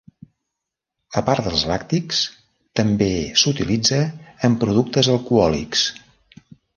A part dels làctics també s'utilitza en productes alcohòlics.